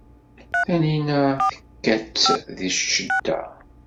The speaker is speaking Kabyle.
Tanina tekka-tt di ccedda.